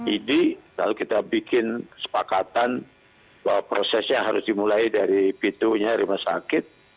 idi lalu kita bikin kesepakatan bahwa prosesnya harus dimulai dari pintunya rumah sakit